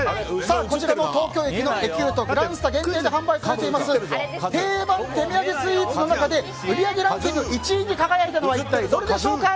こちらの東京駅のエキュート、グランスタ限定で販売されている定番手土産スイーツの中で売り上げランキング１位に輝いたのは一体どれでしょうか。